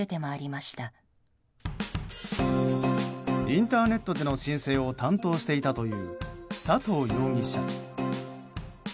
インターネットでの申請を担当していたという佐藤容疑者。